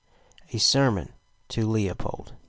A SERMON TO LEOPOLD.